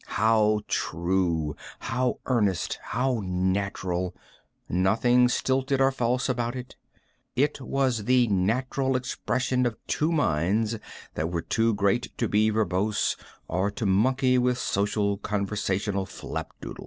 How true, how earnest, how natural! Nothing stilted or false about it. It was the natural expression of two minds that were too great to be verbose or to monkey with social, conversational flapdoodle.